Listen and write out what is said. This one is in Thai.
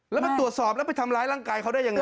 แล้วมาตรวจสอบแล้วไปทำร้ายร่างกายเขาได้ยังไง